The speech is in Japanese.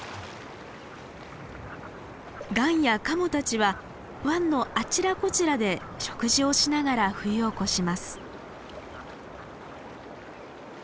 ガンやカモたちは湾のあちらこちらで食事をしながら冬を越します。